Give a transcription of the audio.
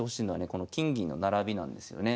この金銀の並びなんですよね。